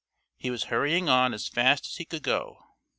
He was hurrying on as fast as he could go.